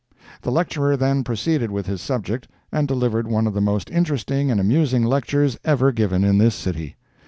The lecturer then proceeded with his subject, and delivered one of the most interesting and amusing lectures ever given in this city.